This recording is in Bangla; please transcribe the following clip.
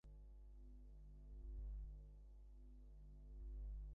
জাকারিয়া, আপনার কোটের পকেটে আজকের একটা খবরের কাগজ দেখা যাচ্ছে।